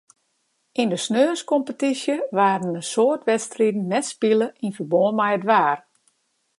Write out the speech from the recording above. Yn de saterdeiskompetysje waarden in soad wedstriden net spile yn ferbân mei it waar.